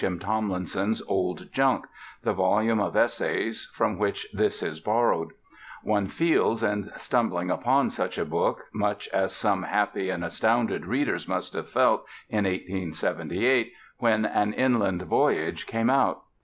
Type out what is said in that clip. M. Tomlinson's Old Junk, the volume of essays from which this is borrowed. One feels, in stumbling upon such a book, much as some happy and astounded readers must have felt in 1878 when An Inland Voyage came out.